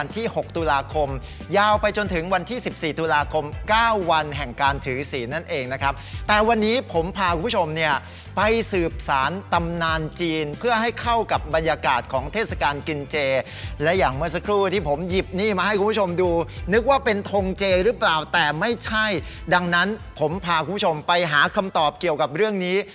ยาวไปจนถึงวันที่๑๔ตุลาคม๙วันแห่งการถือศีลนั่นเองนะครับแต่วันนี้ผมพาคุณผู้ชมเนี่ยไปสืบสารตำนานจีนเพื่อให้เข้ากับบรรยากาศของเทศกาลกินเจและอย่างเมื่อสักครู่ที่ผมหยิบนี่มาให้คุณผู้ชมดูนึกว่าเป็นทงเจหรือเปล่าแต่ไม่ใช่ดังนั้นผมพาคุณผู้ชมไปหาคำตอบเกี่ยวกับเรื่องนี้